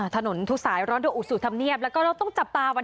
ถนนทุกสายร้อนโดยอุสุธรรมเนียบแล้วก็เราต้องจับตาวัน